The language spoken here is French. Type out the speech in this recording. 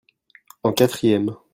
en quatrième.